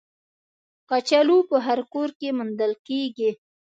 کچالو په هر کور کې موندل کېږي